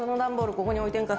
ここに置いてんか。